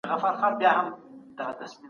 حکومت بايد دخلکو اړتياوې پوره کړي.